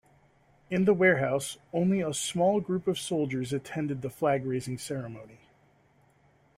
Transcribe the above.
In the warehouse, only a small group of soldiers attended the flag-raising ceremony.